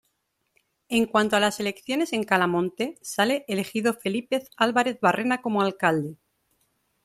En cuanto a las elecciones en Calamonte, sale elegido Felipe Álvarez Barrena como Alcalde.